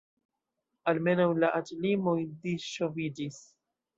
Almenaŭ la aĝlimoj disŝoviĝis.